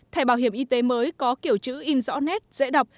thẻ bảo hiểm y tế mới có kiểu chữ in rõ nét dễ đọc